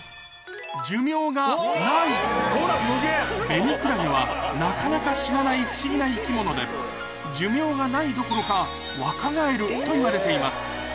ベニクラゲはなかなか死なない不思議な生き物で寿命がないどころかといわれています